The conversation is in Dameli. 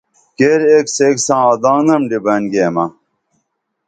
کیر ایک سیک ساں آدانگنم ڈِبئین گیمہ